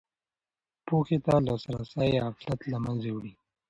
پوهې ته لاسرسی غفلت له منځه وړي.